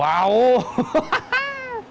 hahaha jadi kalau mau nyuci karpet